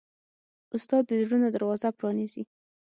استاد د زړونو دروازه پرانیزي.